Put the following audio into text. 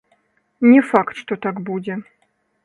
Не факт, што так будзе.